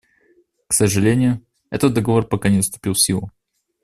К сожалению, этот Договор пока не вступил в силу.